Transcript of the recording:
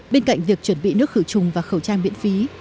bên cạnh việc chuẩn bị nước khử trùng và khẩu trang miễn phí